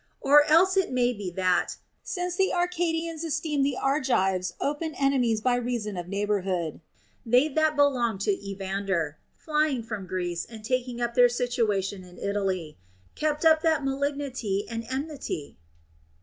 Or else it may be that, since the Arcadians esteemed the Argives open ene mies by reason of neighborhood, they that belonged to Evander, flying from Greece and taking up their situation in Italy, kept up that malignity and enmity.